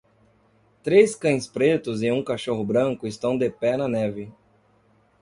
Três cães pretos e um cachorro branco estão de pé na neve.